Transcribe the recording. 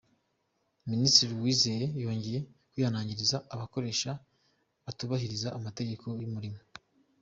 Minisitiri Uwizeye yongeye kwihanangiriza abakoresha batubahiriza amategeko y’umurimo.